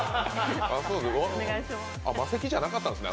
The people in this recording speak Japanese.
マセキじゃなかったんですね。